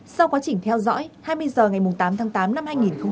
sau quá trình theo dõi hai mươi h ngày tám tháng tám năm hai nghìn